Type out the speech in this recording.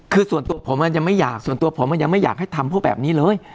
คือส่วนตัวผมมันยังไม่อยากส่วนตัวผมมันยังไม่อยากให้ทำพวกแบบนี้เลย